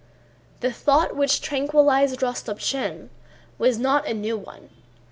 The thought which tranquillized Rostopchín was not a new one.